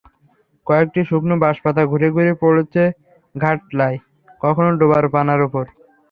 কয়েকটি শুকনো বাঁশপাতা ঘুরে ঘুরে পড়ছে ঘাটলায়, কখনো ডোবার পানার ওপর।